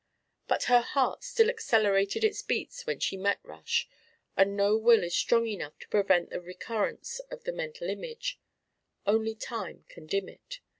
But her heart still accelerated its beats when she met Rush, and no will is strong enough to prevent the recurrence of the mental image; only time can dim it.